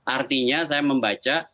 artinya saya membaca